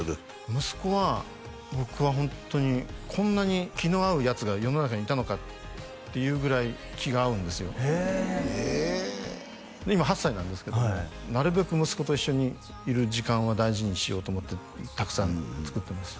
息子は僕はホントにこんなに気の合うヤツが世の中にいたのかっていうぐらい気が合うんですよへええ今８歳なんですけどもなるべく息子と一緒にいる時間は大事にしようと思ってたくさん作ってます